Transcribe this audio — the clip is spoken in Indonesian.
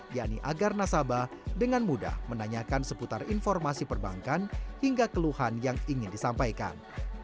yakni agar nasabah dengan mudah menanyakan seputar informasi perbankan hingga keluhan yang ingin disampaikan